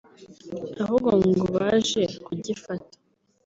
ahubwo ngo baje kugifata